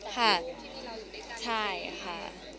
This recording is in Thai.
ค่ะใช่ค่ะ